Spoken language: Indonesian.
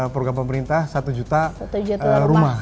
program pemerintah satu juta rumah